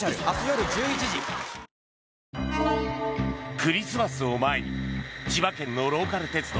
クリスマスを前に千葉県のローカル鉄道